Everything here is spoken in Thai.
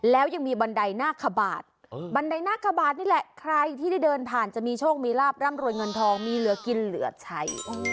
แล้วยังมีบันไดหน้าขบาดบันไดหน้าขบาดนี่แหละใครที่ได้เดินผ่านจะมีโชคมีลาบร่ำรวยเงินทองมีเหลือกินเหลือใช้